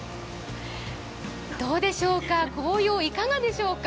どうでしょうか、紅葉、いかがでしょうか。